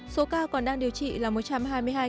số ca còn đang điều trị là một trăm hai mươi hai ca